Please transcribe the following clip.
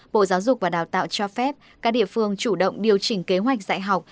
bộ giáo dục và đào tạo cho phép các địa phương chủ động điều chỉnh kế hoạch dạy học